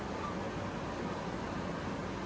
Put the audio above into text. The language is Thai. ครับต่อเลยครับ